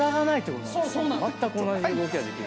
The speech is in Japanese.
まったく同じ動きができる。